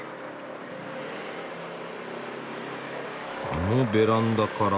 あのベランダから？